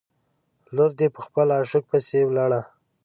لور دې په خپل عاشق پسې ولاړه.